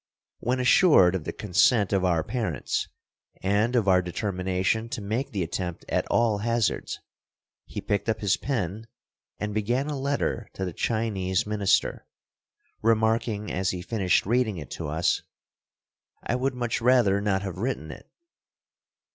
When assured of the consent of our parents, and of our determination to make the attempt at all hazards, he picked up his pen and began a letter to the Chinese minister, remarking as he finished reading it to us, "I would much rather not have written it."